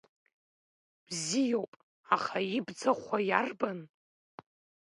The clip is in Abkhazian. Бзиоуп, аха ибӡахуа иарбан?